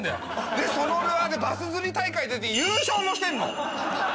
でそのルアーでバス釣り大会出て優勝もしてんの！